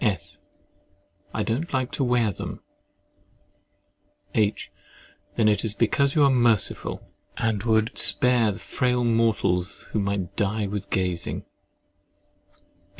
S. I do not like to wear them. H. Then that is because you are merciful, and would spare frail mortals who might die with gazing.